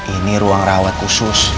ini ruang rawat khusus